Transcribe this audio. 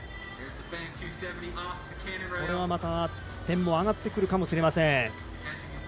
これはまた点も上がってくるかもしれません。